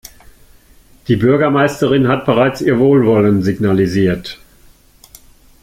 Die Bürgermeisterin hat bereits ihr Wohlwollen signalisiert.